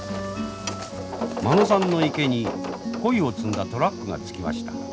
間野さんの池に鯉を積んだトラックが着きました。